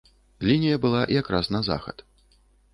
Лінія была якраз на захад.